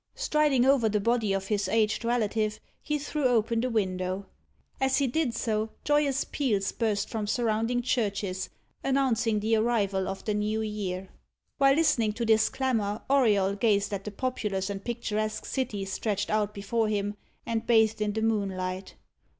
Striding over the body of his aged relative, he threw open the window. As he did so, joyous peals burst from surrounding churches, announcing the arrival of the new year. While listening to this clamour, Auriol gazed at the populous and picturesque city stretched out before him, and bathed in the moonlight.